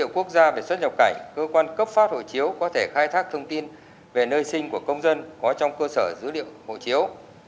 quốc gia về xuất nhập cảnh cơ quan cấp phát hộ chiếu có thể khai thác thông tin về nơi sinh của công dân có trong cơ sở dữ liệu hộ chiếu